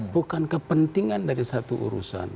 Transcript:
bukan kepentingan dari satu urusan